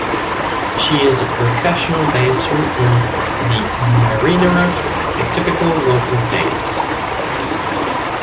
She is a professional dancer in "The Marinera", a typical local dance.